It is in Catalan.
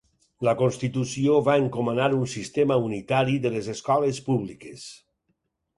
La Constitució va encomanar un sistema unitari de les escoles públiques.